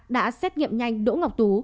đã xét nghiệm nhanh đỗ ngọc tú